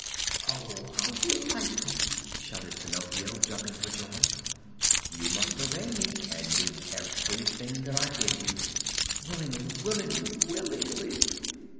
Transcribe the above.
"Oh, how delightful!" shouted Pinocchio, jumping for joy. "You must obey me and do everything that I bid you." "Willingly, willingly, willingly!"